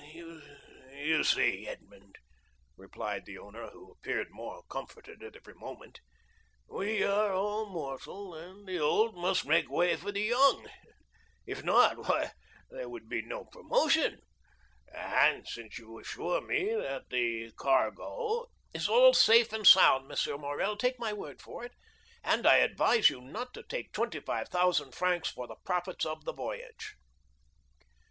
"Why, you see, Edmond," replied the owner, who appeared more comforted at every moment, "we are all mortal, and the old must make way for the young. If not, why, there would be no promotion; and since you assure me that the cargo——" "Is all safe and sound, M. Morrel, take my word for it; and I advise you not to take 25,000 francs for the profits of the voyage."